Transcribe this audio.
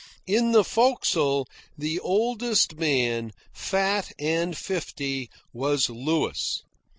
In the forecastle, the oldest man, fat and fifty, was Louis.